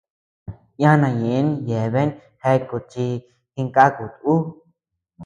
Yana ñeʼë yeabean jeakut chi jinkakut uu.